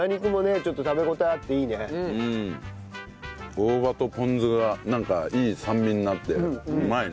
大葉とポン酢がなんかいい酸味になってうまいね。